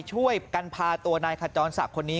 ช่วยกันพาตัวนายขจรศักดิ์คนนี้